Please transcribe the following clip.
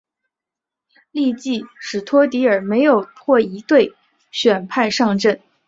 翌季史托迪尔没有获一队选派上阵。